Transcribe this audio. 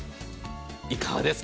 いかがですか。